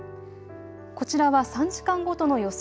こちらは３時間ごとの予想